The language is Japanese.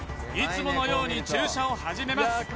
いつものように駐車を始めます